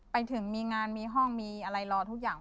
ไปถึงมีงานมีห้องมีอะไรรอทุกอย่าง